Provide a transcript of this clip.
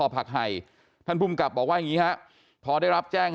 พันธบ